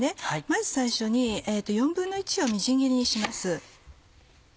まず最初に１／４をみじん切りにします。